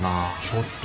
ちょっと。